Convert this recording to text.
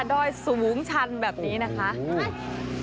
ดอยสูงชันแบบนี้นะคะ